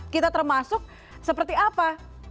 kita termasuk seperti apa